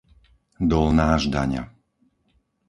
Dolná Ždaňa